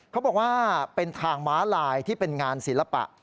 เขาบอกว่าเป็นทางม้าลายที่เป็นงานศิลปะ